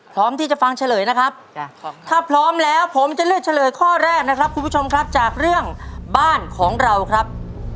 พร้อมที่จะฟังเฉลยนะครับถ้าพร้อมแล้วผมจะเลือกเฉลยข้อแรกนะครับคุณผู้ชมครับจากเรื่องบ้านของเราครับ